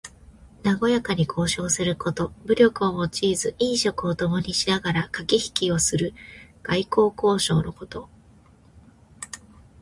なごやかに交渉すること。武力を用いず飲食をともにしながらかけひきをする外交交渉のこと。